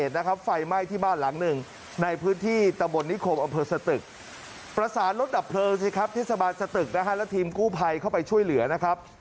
ทฤษฐาบาลสะตึกนะครับและทีมกู้ไพเข้าไปช่วยเหลือนะครับ